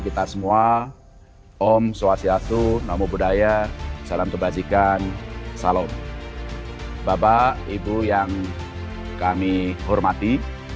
kita semua om swastiastu namo buddhaya salam kebajikan salam bapak ibu yang kami hormati